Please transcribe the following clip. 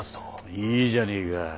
いいじゃねえか。